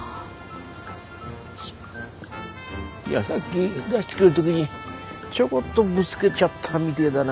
いやさっき出してくる時にちょこっとぶつけちゃったみてえだな。